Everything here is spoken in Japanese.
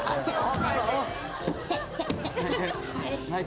はい。